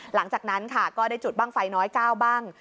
หลังจากนั้นค่ะก็ได้จุดบ้างไฟน้อย๙บ้าง